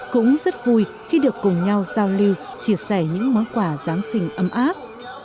cũng rất vui khi được cùng nhau giao lưu chia sẻ những món quà giáng sinh ấm áp